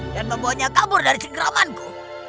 dan membawanya kabur dari cengkramanku